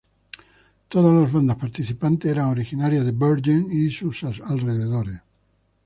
Todas las bandas participantes eran originarias de Bergen y sus alrededores.